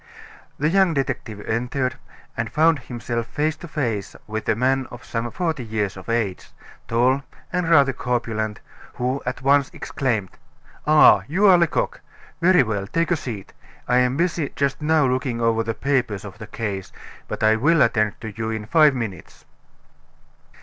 The young detective entered, and found himself face to face with a man of some forty years of age, tall and rather corpulent, who at once exclaimed: "Ah! you are Lecoq. Very well take a seat. I am busy just now looking over the papers of the case, but I will attend to you in five minutes."